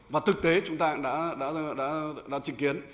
và thực tế chúng ta đã chứng kiến